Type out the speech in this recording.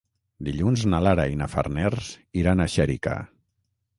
Dilluns na Lara i na Farners iran a Xèrica.